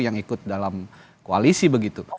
yang ikut dalam koalisi begitu